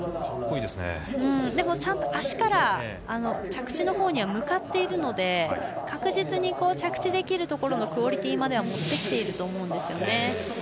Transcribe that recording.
ちゃんと足から着地のほうには向かっているので確実に着地できるところのクオリティーまでは持ってきていると思うんですよね。